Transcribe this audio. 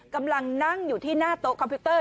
กำลังนั่งอยู่ที่หน้าโต๊ะคอมพิวเตอร์